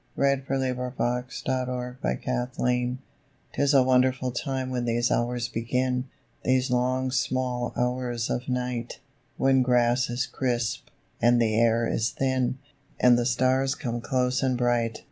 A MAY NIGHT ON THE MOUNTAINS 'Tis a wonderful time when these hours begin, These long 'small hours' of night, When grass is crisp, and the air is thin, And the stars come close and bright.